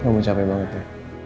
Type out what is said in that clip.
kamu capek banget ya